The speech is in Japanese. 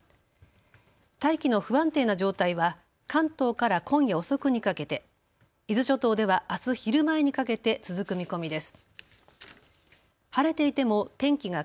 大気の不安定な状態は関東から今夜遅くにかけて、伊豆諸島ではあす昼前にかけて続く見込みです。